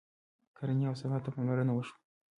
کرنې او صنعت ته پاملرنه وشوه.